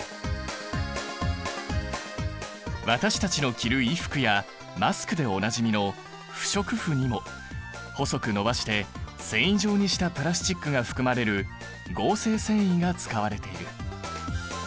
私たちの着る衣服やマスクでおなじみの不織布にも細く伸ばして繊維状にしたプラスチックが含まれる合成繊維が使われている。